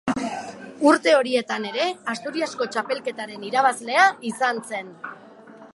Urte horietan ere Asturiasko txapelketaren irabazlea izan zen.